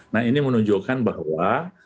nah ini menunjukkan bahwa